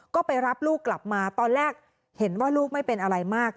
ก็ไปรับลูกกลับมาตอนแรกเห็นว่าลูกไม่เป็นอะไรมาก